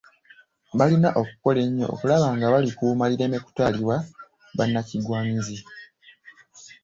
Balina okukola ennyo okulaba nga balikuuma lireme kutwalibwa bannakigwanyizi.